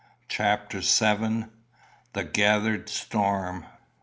CHAPTER VII. THE GATHERED STORM.